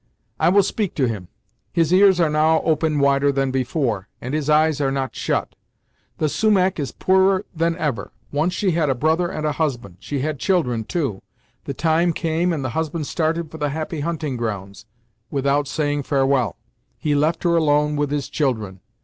I will speak to him; his ears are now open wider than before, and his eyes are not shut. The Sumach is poorer than ever. Once she had a brother and a husband. She had children, too. The time came and the husband started for the Happy Hunting Grounds, without saying farewell; he left her alone with his children.